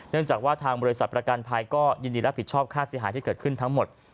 จากว่าทางบริษัทประกันภัยก็ยินดีรับผิดชอบค่าเสียหายที่เกิดขึ้นทั้งหมด